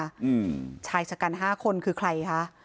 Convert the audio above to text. กลุ่มชายชะกัน๕คนคือใครคะ